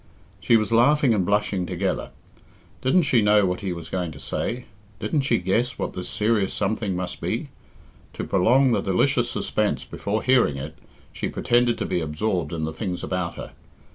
She was laughing and blushing together. Didn't she know what he was going to say? Didn't she guess what this serious something must be? To prolong the delicious suspense before hearing it, she pretended to be absorbed in the things about her.